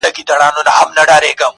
تش په نامه یې د اشرف المخلوقات نه منم,